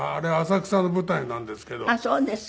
あっそうですか。